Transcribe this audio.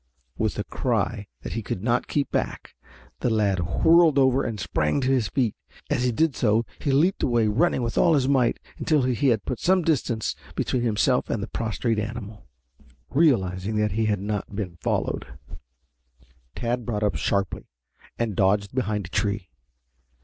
With a cry that he could not keep back, the lad whirled over and sprang to his feet. As he did so he leaped away, running with all his might until he had put some distance between himself and the prostrate animal. Realizing that he was not being followed, Tad brought up sharply and dodged behind a tree.